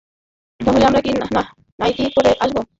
তাহলে, আমরা কি নাইটি পরে আসব?